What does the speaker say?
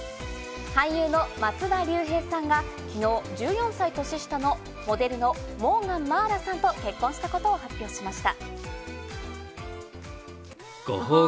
俳優の松田龍平さんが昨日、１４歳年下のモデルのモーガン茉愛羅さんと結婚したことを発表しました。